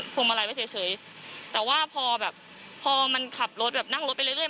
วงมาลัยไว้เฉยแต่ว่าพอแบบพอมันขับรถแบบนั่งรถไปเรื่อ